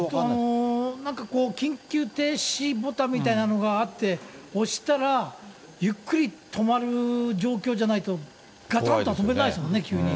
なんか緊急停止ボタンみたいなのがあって、押したらゆっくり止まる状況じゃないとがたんとは止めれないですもんね、急に。